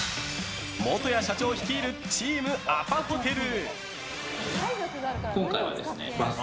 元谷社長率いるチームアパホテル！